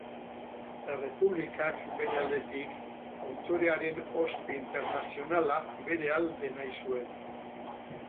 Errepublikak, bere aldetik, autorearen ospe internazionala bere alde nahi zuen.